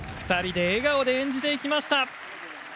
２人で笑顔で演じていきました。